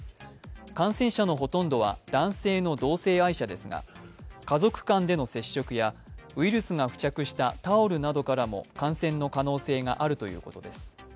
感染者のほとんどは男性の同性愛者ですが家族間での接触やウイルスが付着したタオルなどからも感染の可能性があるということです。